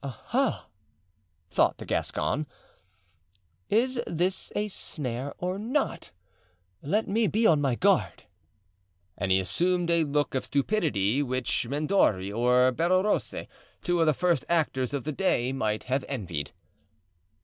"Aha!" thought the Gascon; "is this a snare or not? Let me be on my guard." And he assumed a look of stupidity which Mendori or Bellerose, two of the first actors of the day, might have envied.